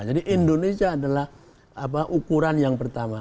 jadi indonesia adalah apa ukuran yang pertama